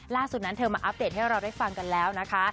ล่าสุดนั้นเธอมาอัปเดตให้เราได้ฟังกันแล้วนะคะ